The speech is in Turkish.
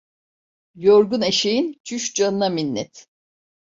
Yorgun eşeğin çüş canına minnet.